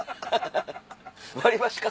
割り箸か？